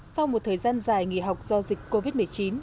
sau một thời gian dài nghỉ học do dịch covid một mươi chín